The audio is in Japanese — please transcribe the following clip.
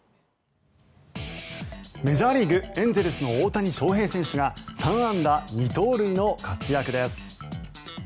メジャーリーグエンゼルスの大谷翔平選手が３安打２盗塁の活躍です。